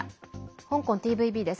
香港ＴＶＢです。